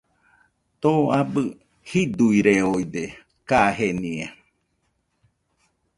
Too abɨ jiduireoide kajenia.